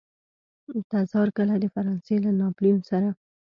تزار کله د فرانسې له ناپلیون سره.